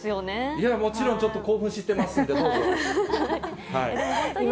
いや、もちろんちょっと興奮してますんで、どうぞ、もう、はい。